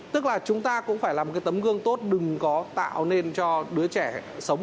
tức là chúng ta cũng phải là một cái tấm gương tốt đừng có tạo nên cho đứa trẻ sống